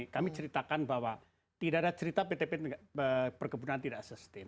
kami ceritakan bahwa tidak ada cerita pt pt perkebunan tidak sustain